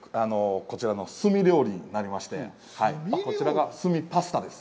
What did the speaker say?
こちらの炭料理になりまして、こちらが炭パスタです。